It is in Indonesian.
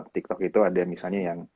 tiktok itu ada misalnya yang